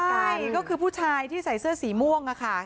ใช่ก็คือผู้ชายที่ใส่เสื้อสีม่วงค่ะ